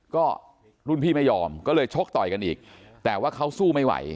ก็รุ่นพี่ไม่ยอมก็เลยชกต่อยกันอีกแต่ว่าเขาสู้ไม่ไหว